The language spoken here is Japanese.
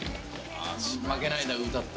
『負けないで』歌った。